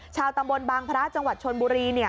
ชาวตำบลบางพระจังหวัดชนบุรี